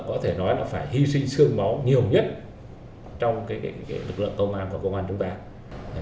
có thể nói là phải hy sinh sương máu nhiều nhất trong lực lượng công an và công an chúng ta